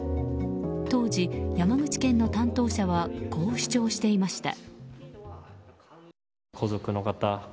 当時、山口県の担当者はこう主張していました。